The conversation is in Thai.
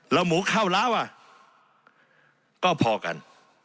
แล้วหมูเข้าแล้วก็พอกัน